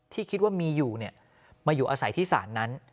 ที่คิดว่ามีอยู่มาอยู่อาศัยที่ศาลนั้น